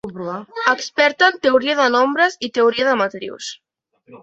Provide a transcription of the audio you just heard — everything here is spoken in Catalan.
Experta en Teoria de Nombres i Teoria de Matrius.